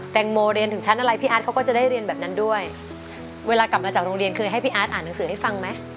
งโมเรียนถึงชั้นอะไรพี่อาร์ตเขาก็จะได้เรียนแบบนั้นด้วยเวลากลับมาจากโรงเรียนเคยให้พี่อาร์ตอ่านหนังสือให้ฟังไหม